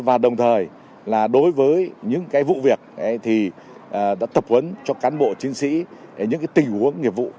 và đồng thời là đối với những vụ việc thì đã tập huấn cho cán bộ chiến sĩ những tình huống nghiệp vụ